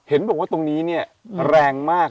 เห็นบอกว่าตรงนี้เนี่ยแรงมาก